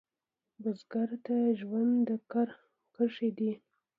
بزګر ته ژوند د کر کرښې دي